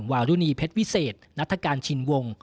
วารุณีเพชรวิเศษนัฐกาลชินวง